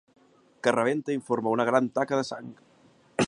Que rebenta i forma una gran taca de sang.